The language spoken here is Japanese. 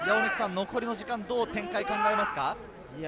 残りの時間、どういう展開を考えますか？